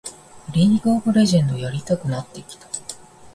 リーグ・オブ・レジェンドやりたくなってきた